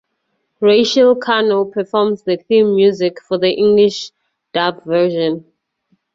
Rachelle Cano performs the theme music for the English dub version.